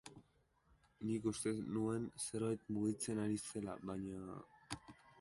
Nik uste nuen zerbait mugitzen ari zela, baina...